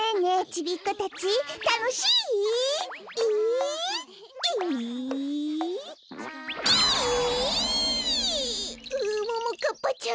ううももかっぱちゃん